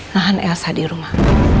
nahan elsa di rumah